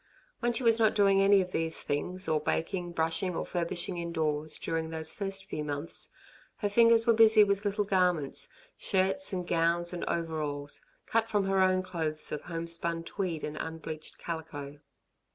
When she was not doing any of these things, or baking, brushing or furbishing indoors, during those first few months, her fingers were busy with little garments shirts and gowns and overalls cut from her own clothes of homespun tweed and unbleached calico.